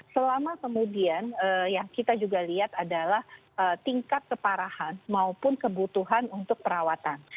selama kemudian yang kita juga lihat adalah tingkat keparahan maupun kebutuhan untuk perawatan